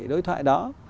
đối thoại đó